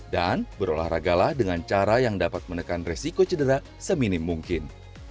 dan berolahragalah dengan cara yang dapat menekan resiko cedera seminim mungkin